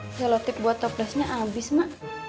mak selotip buat toplesnya abis ma